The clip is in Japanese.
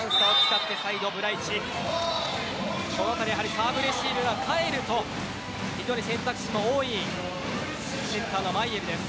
サーブレシーブが返ると選択肢の多いセッターのマイエルです。